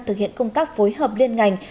thực hiện công tác phối hợp liên ngành